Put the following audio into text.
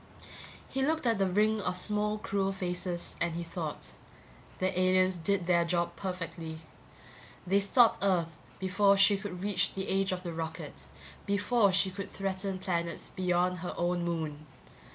He looked at the ring of small cruel faces and he thought: The aliens did their job perfectly; they stopped Earth before she could reach the age of the rocket, before she could threaten planets beyond her own moon.